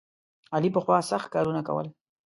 علي پخوا سخت کارونه کول.